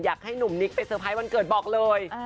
อยากให้หนุ่มนิกไปเตอร์ไพรส์วันเกิดบอกเลย